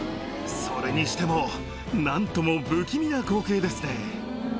それにしても、なんとも不気味な光景ですね。